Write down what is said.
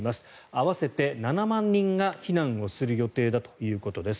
合わせて７万人が避難をする予定だということです。